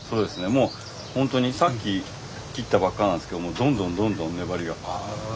もう本当にさっき切ったばっかなんですけどどんどんどんどん粘りが。